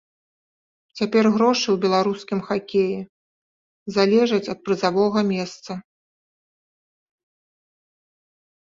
Цяпер грошы ў беларускім хакеі залежаць ад прызавога месца.